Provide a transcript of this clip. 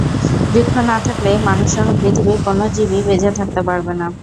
বৃক্ষ না থাকলে মানুষসহ পৃথিবীর কোনো জীবই বেঁচে থাকতে পারবে না।